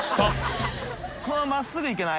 このまま真っすぐ行けない？